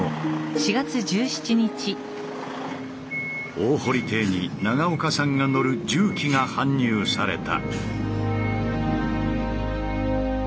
大堀邸に長岡さんが乗る重機が搬入された。